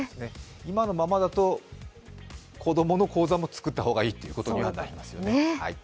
今のままだと、子供の口座も作ったほうがいいということにはなりますほね。